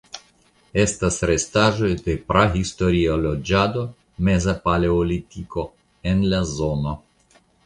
Estas restaĵoj de prahistoria loĝado (Meza Paleolitiko) en la zono.